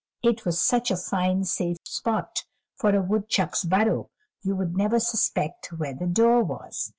It was such a fine, safe spot for a woodchuck's burrow; you would never suspect where the door was.